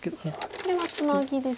これはツナギですか。